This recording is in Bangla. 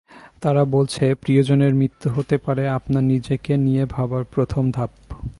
তারা বলছে, প্রিয়জনের মৃত্যু হতে পারে আপনার নিজেকে নিয়ে ভাবার প্রথম ধাপ।